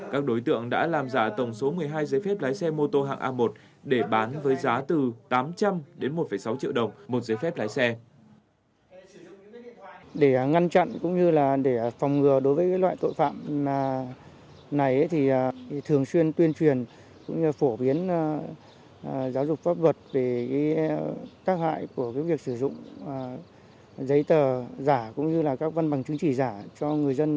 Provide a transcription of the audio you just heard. các đối tượng đã làm giả tổng số một mươi hai giấy phép lái xe mô tô hạng a một để bán với giá từ tám trăm linh đến một sáu triệu đồng một giấy phép lái xe